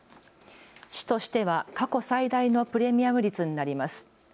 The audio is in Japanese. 市としては過去最大のプレミアム率になります。